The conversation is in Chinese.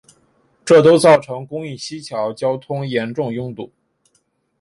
这都造成公益西桥交通严重拥堵。